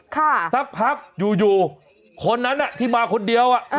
ค่ะสักพักอยู่คนนั้นที่มาคนเดียว